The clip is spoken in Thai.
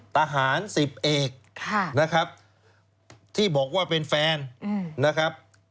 ทหาร๑๐เอกนะครับที่บอกว่าเป็นแฟนนะครับ